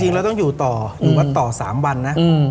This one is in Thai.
จริงเราต้องอยู่ต่อ๓วันนะ